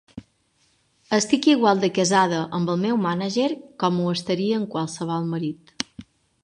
Estic igual de casada amb el meu mànager com ho estaria amb qualsevol marit.